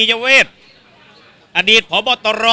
สวัสดีครับ